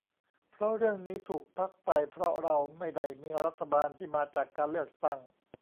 เพราะเรื่องนี้ถูกพักไปเพราะเราไม่ได้มีรัฐบาลที่มาจากการเลือกตั้ง